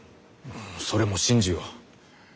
それも信じよう。